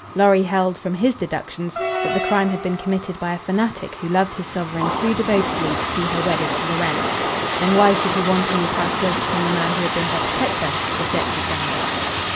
Lorry held, from his deductions, that the crime had been committed by a fanatic who loved his sovereign too devotedly to see her wedded to Lorenz. Then why should he wantonly cast guilt upon the man who had been her protector, objected Dangloss.